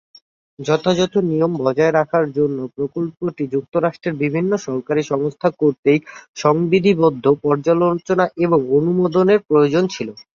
যথাযথ নিয়ম বজায় রাখার জন্য প্রকল্পটিকে যুক্তরাষ্ট্রের বিভিন্ন সরকারি সংস্থা কর্তৃক সংবিধিবদ্ধ পর্যালোচনা এবং অনুমোদনের প্রয়োজন ছিল।